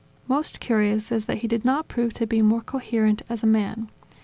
Most curious is that he did not prove to be more coherent as a man.